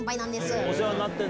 お世話になってんの？